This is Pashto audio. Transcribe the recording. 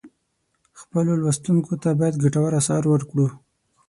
خپلو لوستونکو ته باید ګټور آثار ورکړو.